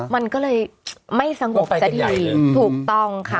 มันก็เลยไม่สงบสักทีถูกต้องค่ะ